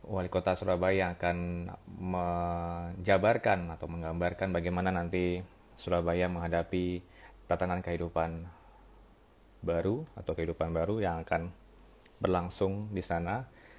wali kota surabaya akan menjabarkan atau menggambarkan bagaimana nanti surabaya menghadapi tatanan kehidupan baru atau kehidupan baru yang akan berlangsung di sana